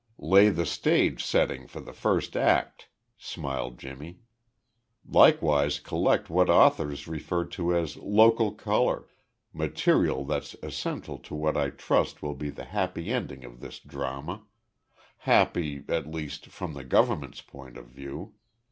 "Lay the stage setting for the first act," smiled Jimmy. "Likewise collect what authors refer to as local color material that's essential to what I trust will be the happy ending of this drama happy, at least, from the government's point of view.